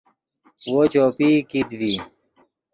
وو چوپئی کیت ڤی